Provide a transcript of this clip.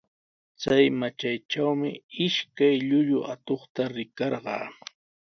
Chay matraytraqmi ishkay llullu atuqta rikarqaa.